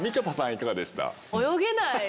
いかがでした？